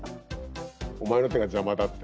お前の手が邪魔だって。